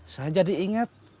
saya jadi inget